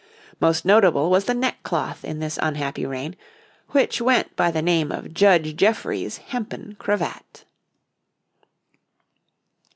Most notable was the neckcloth in this unhappy reign, which went by the name of Judge Jeffreys' hempen cravat.